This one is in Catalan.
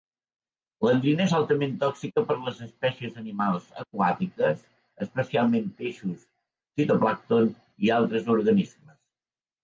L'endrina és altament tòxica per les espècies animals aquàtiques, especialment peixos, fitoplàncton i altres organismes.